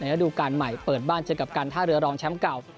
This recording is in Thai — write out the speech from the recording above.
ระดูการใหม่เปิดบ้านเจอกับการท่าเรือรองแชมป์เก่า